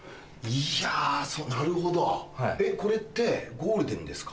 いやなるほどえっこれってゴールデンですか？